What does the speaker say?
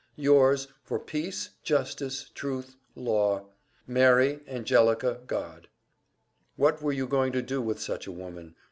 Yours for Peace..Justice..Truth..Law Mary Angelica Godd. What were you going to do with such a woman?